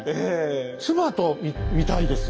妻と見たいです。